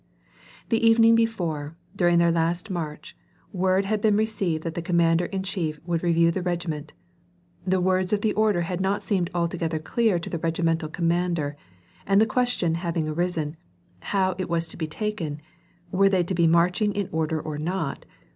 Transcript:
The evening before, during their last march, word had been received that the commander in chief would review the regi ment. The words of the order had not seemed altogether clear to the regimental commander, and the question having arisen, how it was to be taken, — were they to be in marching order or not